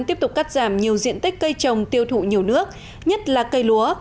tiếp tục cắt giảm nhiều diện tích cây trồng tiêu thụ nhiều nước nhất là cây lúa